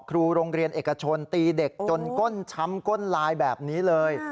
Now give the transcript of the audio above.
ครูโรงเรียนเอกชนตีเด็กจนก้นช้ำก้นลายแบบนี้เลย